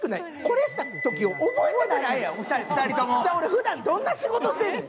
ふだん、どんな仕事してんねん。